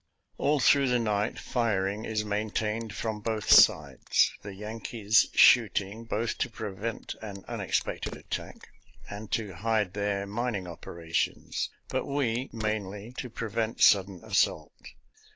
All through the night firing is main tained from both sides — the Yankees shooting, both to prevent an unexpected attack, and to hide their mining operations; but we, mainly to prevent sudden assault.